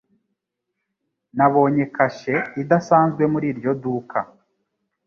Nabonye kashe idasanzwe muri iryo duka.